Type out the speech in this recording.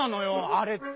「あれ」って！